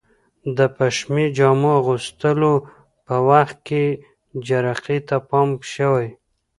د پشمي جامو اغوستلو په وخت کې جرقې ته پام شوی؟